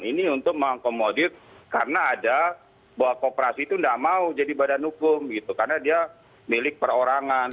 ini untuk mengakomodir karena ada bahwa kooperasi itu tidak mau jadi badan hukum gitu karena dia milik perorangan